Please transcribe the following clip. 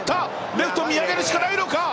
レフト見上げるしかないのか？